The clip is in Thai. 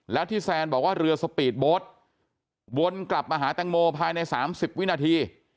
แล้วที่แซนบอกว่าเรือสปีดโบ๊ทวนกลับมาหาแตงโมภายใน๓๐วินาที